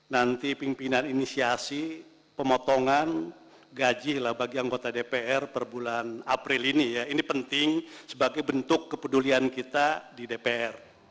nanti pimpinan inisiasi pemotongan gaji lah bagi anggota dpr per bulan april ini ya ini penting sebagai bentuk kepedulian kita di dpr